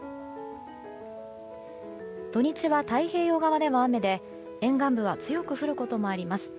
土日は太平洋側では雨で沿岸部は強く降ることもあります。